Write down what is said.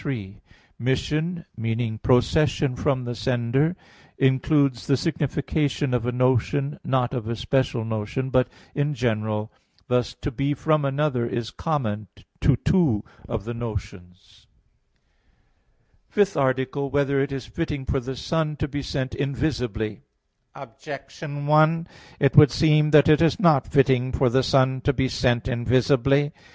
3: Mission, meaning procession from the sender, includes the signification of a notion, not of a special notion, but in general; thus "to be from another" is common to two of the notions. _______________________ FIFTH ARTICLE [I, Q. 43, Art. 5] Whether It Is Fitting for the Son to Be Sent Invisibly? Objection 1: It would seem that it is not fitting for the Son to be sent invisibly.